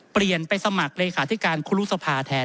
เปลี่ยนไปสมัครเหรือเลขาธิการโครูซภ์ภาคมแทน